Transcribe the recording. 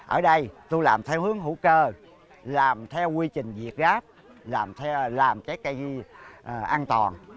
ở đây tôi làm theo hướng hữu cơ làm theo quy trình việt gáp làm trái cây an toàn